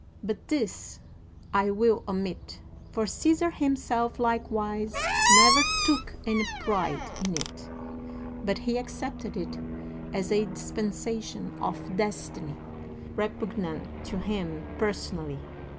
But this I will omit, for Caesar himself likewise never took any pride in it, but he accepted it as a dispensation of destiny, repugnant to him per sonally.